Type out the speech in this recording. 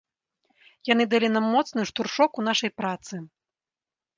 Яны далі нам моцны штуршок у нашай працы.